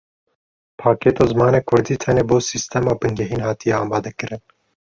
Pakêta zimanê kurdî tenê bo sîstema bingehîn hatiye amadekirin.